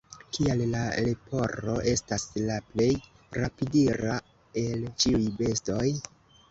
Kial la leporo estas la plej rapidira el ĉiuj bestoj?